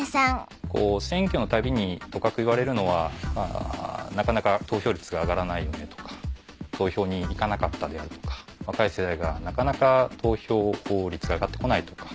選挙のたびにとかく言われるのは「なかなか投票率が上がらないよね」とか「投票に行かなかった」であるとか「若い世代がなかなか投票率が上がって来ない」とか。